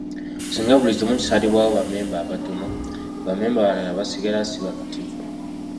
Singa buli kimu kisalibwawo ba mmemba abatono, bammemba abalala basigala sibamativu.